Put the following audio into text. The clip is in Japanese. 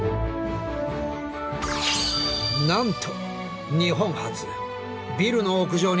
なんと！